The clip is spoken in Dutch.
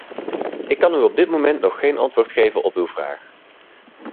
Ik kan u op dit moment nog geen antwoord geven op uw vraag.